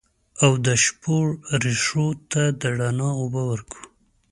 او د شپو رېښو ته د رڼا اوبه ورکوو